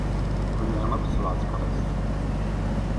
Kunwi akk s lɛesker-is.